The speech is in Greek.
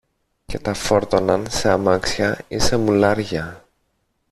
και τα φόρτωναν σε αμάξια ή σε μουλάρια